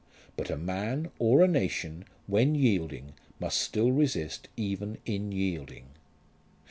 But a man, or a nation, when yielding must still resist even in yielding.